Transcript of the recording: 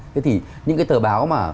thế thì những cái tờ báo mà